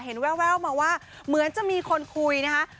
แววมาว่าเหมือนจะมีคนคุยนะคะ